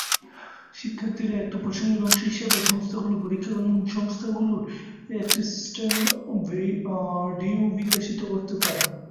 শিক্ষার্থীরা একটি প্রসঙ্গের অংশ হিসাবে সংস্থাগুলি পরীক্ষা করে সংস্থাগুলির একটি সিস্টেম ভিউ বিকশিত করতে পারে।